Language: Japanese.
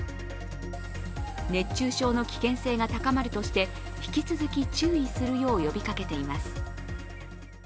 熱中症の危険性が高まるとして引き続き注意するよう呼びかけています。